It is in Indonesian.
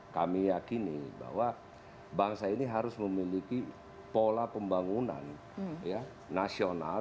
kami yakini bahwa bangsa ini harus memiliki pola pembangunan nasional